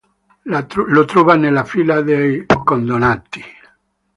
Lo trova nella fila dei condannati.